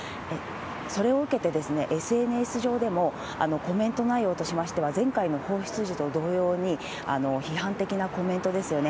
それを受けて、ＳＮＳ上でも、コメント内容としましては、前回の放出時と同様に、批判的なコメントですよね。